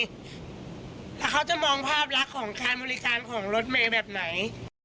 แล้วเขาจะมองภาพลักษณ์ของการบริการของรถเมย์แบบไหน